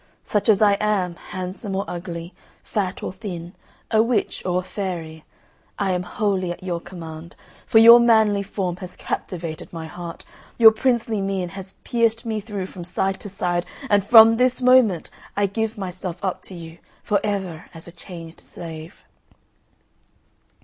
Such as I am, handsome or ugly, fat or thin, a witch or a fairy, I am wholly at your command; for your manly form has captivated my heart, your princely mien has pierced me through from side to side, and from this moment I give myself up to you for ever as a chained slave."